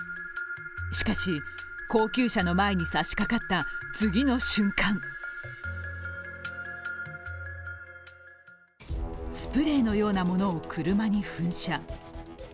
しかし、高級車の前に差しかかった次の瞬間、スプレーのようなものを車に噴射。